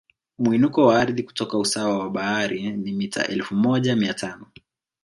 Mwinuko wa ardhi kutoka usawa wa bahari ni mita elfu moja mia tano